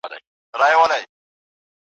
پر مځکه سپي او په هوا کي به کارګان ماړه وه